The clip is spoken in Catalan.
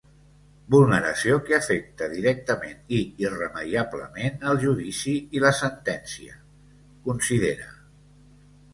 Vulneració que afecta, directament i irremeiablement, el judici i la sentència, considera.